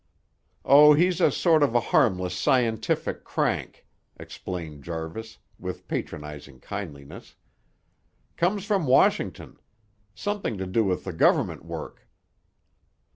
"Oh, he's a sort of a harmless scientific crank," explained Jarvis, with patronizing kindliness. "Comes from Washington. Something to do with the government work."